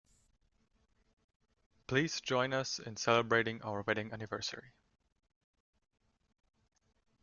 Please join us in celebrating our wedding anniversary